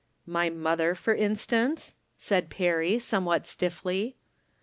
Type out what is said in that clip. " My mother, for instance ?" said Perry, some what stiffly.